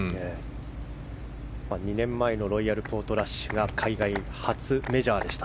２年前のロイヤルポートラッシュが海外初メジャーでした。